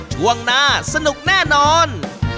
ช่วงหน้าสนุกแน่นอน